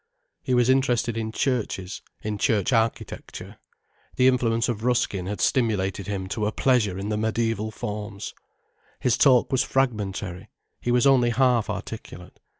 He was interested in churches, in church architecture. The influence of Ruskin had stimulated him to a pleasure in the mediæval forms. His talk was fragmentary, he was only half articulate.